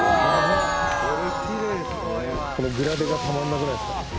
このグラデがたまんなくないです